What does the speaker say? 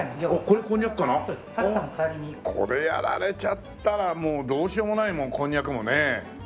これやられちゃったらもうどうしようもないもんこんにゃくもね。